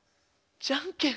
じゃんけん？